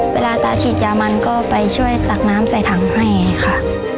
เวลาตาฉีดยามันก็ไปช่วยตักน้ำใส่ถังให้ค่ะ